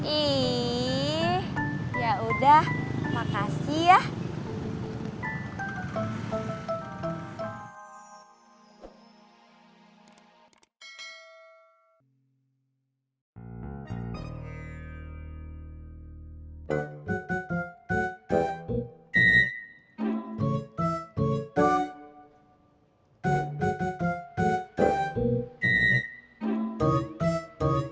ih yaudah makasih ya